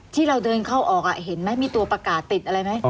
ที่เราเดินเข้าออกเห็นไหมมีตัวประกาศติดอะไรไหม